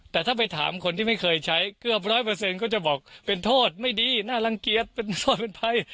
แต่ถ้าไปถามคนที่ไม่เคยใช้เกือบร้อยเปอร์เซ็นต์ก็จะบอกเป็นโทษไม่ดีน่ารังเกียจเป็นโทษเป็นภัย